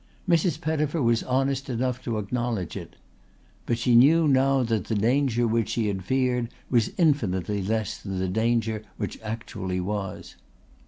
Mrs. Pettifer was honest enough to acknowledge it. But she knew now that the danger which she had feared was infinitely less than the danger which actually was.